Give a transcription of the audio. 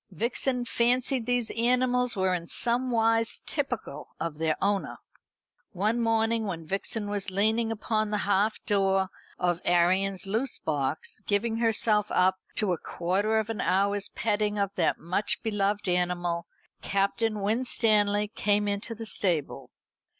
Vixen fancied these animals were in some wise typical of their owner. One morning when Vixen was leaning upon the half door of Arion's loose box, giving herself up to a quarter of an hour's petting of that much beloved animal, Captain Winstanley came into the stable.